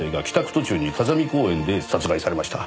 途中に風見公園で殺害されました。